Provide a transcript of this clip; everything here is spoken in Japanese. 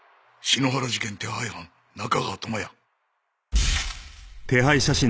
篠原事件手配犯中川智哉